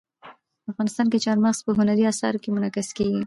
افغانستان کې چار مغز په هنري اثارو کې منعکس کېږي.